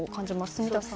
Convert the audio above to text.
住田さん。